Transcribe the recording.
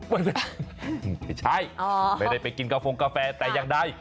ไม่ใช่ไม่ได้ไปกินกาโฟงกาแฟแต่อย่างใด